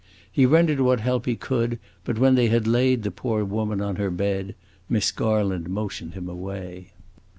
He rendered what help he could, but when they had laid the poor woman on her bed, Miss Garland motioned him away.